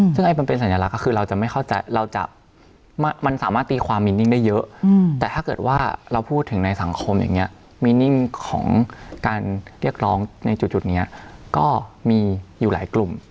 ซึ่งมันเป็นสัญลักษณ์ก็คือเราจะไม่เข้าใจเราจะมันสามารถตีความมินนิ่งได้เยอะแต่ถ้าเกิดว่าเราพูดถึงในสังคมอย่างนี้มีนิ่งของการเรียกร้องในจุดนี้ก็มีอยู่หลายกลุ่ม